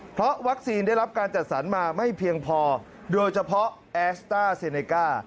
เพราะวัคซีนได้รับการจัดสรรมาไม่เพียงพอโดยเฉพาะแอสต้าเซเนก้า